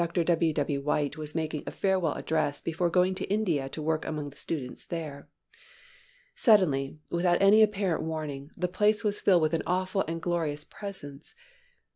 W. W. White was making a farewell address before going to India to work among the students there. Suddenly, without any apparent warning, the place was filled with an awful and glorious Presence.